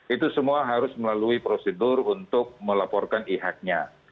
itu semua harus melalui prosedur untuk melaporkan ihag nya